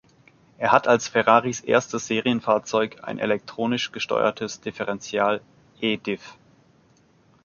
Er hat als Ferraris erstes Serienfahrzeug ein elektronisch gesteuertes Differential „E-Diff“.